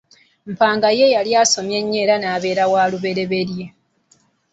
Mpanga ye yali asomye nnyo era n'abeera walubereberye.